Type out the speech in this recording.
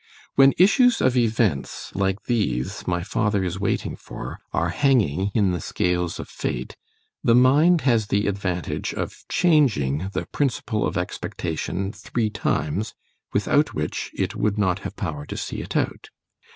When issues of events like these my father is waiting for, are hanging in the scales of fate, the mind has the advantage of changing the principle of expectation three times, without which it would not have power to see it out.